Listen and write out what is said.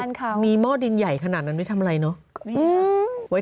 ที่บ้านมีหม้อดินใหญ่ขนาดนั้นไม่ทำอะไรเนอะ